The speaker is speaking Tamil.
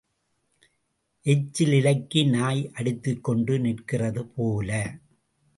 எச்சில் இலைக்கு நாய் அடித்துக்கொண்டு நிற்கிறது போல.